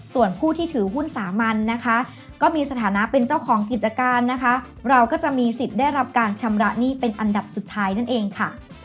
ส่วนผู้ที่ถือหุ้นสามัญนะคะก็มีสถานะเป็นเจ้าของกิจการนะคะเราก็จะมีสิทธิ์ได้รับการชำระหนี้เป็นอันดับสุดท้ายนั่นเองค่ะ